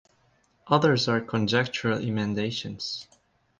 Others are conjectural emendations.